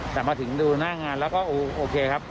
แต่มาถึงดูหน้างานแล้วก็โอเคครับ